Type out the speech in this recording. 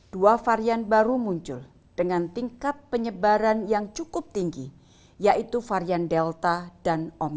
dua varian baru muncul dengan tingkat penyebaran yang cukup tinggi yaitu varian delta dan omikron